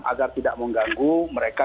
agar tidak mengganggu mereka